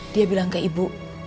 dia bilang ke ibu